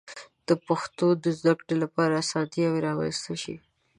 د پښتو د زده کړې لپاره آسانتیاوې رامنځته شي.